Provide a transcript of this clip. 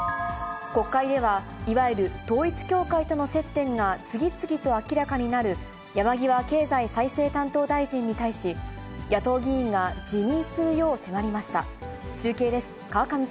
国会ではいわゆる統一教会との接点が次々と明らかになる山際経済再生担当大臣に対し、野党議員が辞任するよう迫りました。